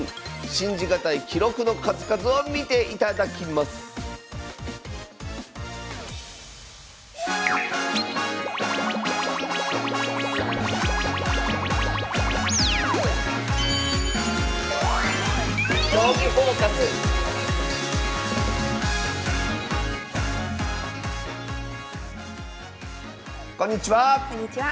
信じがたい記録の数々を見ていただきますこんにちは。